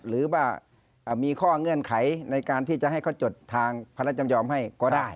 หรือว่ามีข้อเงื่อนไขในการที่จะให้เขาจดทางพระราชจำยอมให้ก็ได้